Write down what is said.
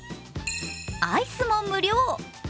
アイスも無料。